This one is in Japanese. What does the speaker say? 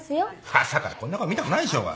朝からこんな顔見たくないでしょうが。